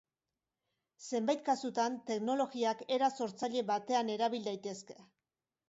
Zenbait kasutan teknologiak era sortzaile batean erabil daitezke.